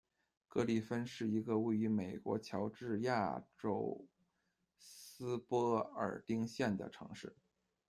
格里芬是一个位于美国乔治亚州斯波尔丁县的城市。